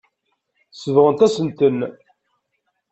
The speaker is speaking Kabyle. Sebɣent-asen-ten.